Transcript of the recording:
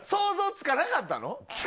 つかなかったの。